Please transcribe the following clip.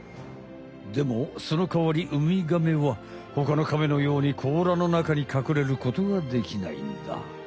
でもそのかわりウミガメは他のカメのように甲羅の中にかくれることはできないんだ。